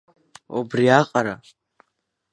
Убриаҟара…